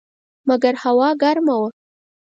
مګر هوا ګرمه وه.